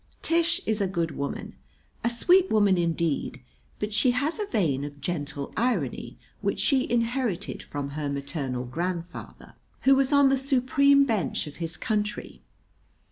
Tish is a good woman a sweet woman, indeed; but she has a vein of gentle irony, which she inherited from her maternal grandfather, who was on the Supreme Bench of his country.